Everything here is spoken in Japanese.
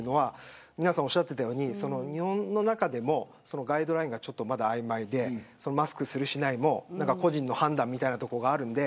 皆さんがおっしゃっているように日本の中でもガイドラインが曖昧でマスクするしないも個人の判断みたいなところがあるので。